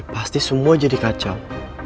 pasti semua jadi kacau